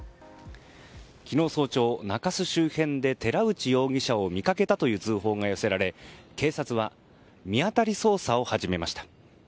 昨日早朝、中洲周辺で寺内容疑者を見かけたという通報が寄せられ警察は見当たり捜査を始めました。